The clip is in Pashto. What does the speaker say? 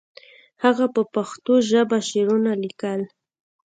هغه په پښتو ژبه شعرونه لیکل.